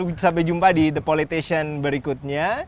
oke sampai jumpa di the politation berikutnya